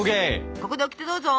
ここでオキテどうぞ！